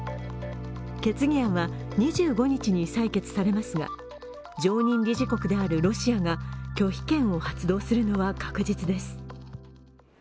決議案は２５日に採決されますが、常任理事国であるロシアが拒否権を発動するのは確実です。